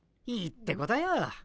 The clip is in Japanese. いいってことよ。